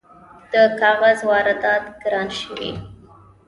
د کاغذ واردات ګران شوي؟